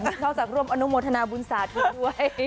นี่เท่าจากร่วมอนุโมทนาบุญสาทุกด้วยค่ะ